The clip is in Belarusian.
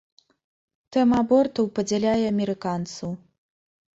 Тэма абортаў падзяляе амерыканцаў.